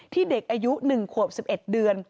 เด็กอายุ๑ขวบ๑๑เดือน